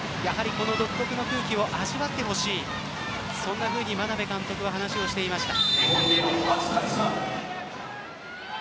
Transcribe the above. この独特の空気を味わってほしいそんなふうに眞鍋監督は話をしていました。